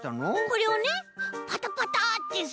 これをねパタパタってすると。